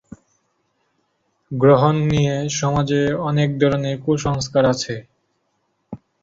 গ্রহণ নিয়ে সমাজে অনেক ধরনের কুসংস্কার আছে।